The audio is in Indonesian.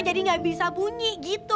jadi gak bisa bunyi gitu